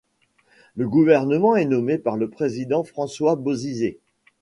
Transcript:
Ce gouvernement est nommé par le président François Bozizé.